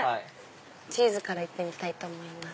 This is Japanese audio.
チーズから行ってみたいと思います。